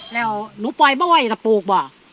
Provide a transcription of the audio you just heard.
แล้วหนูป่อยไม่ไหวจะปลูกเหรอ